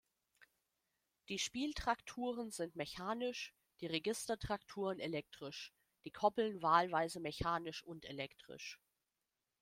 Die Spieltrakturen sind mechanisch, die Registertrakturen elektrisch, die Koppeln wahlweise mechanisch und elektrisch.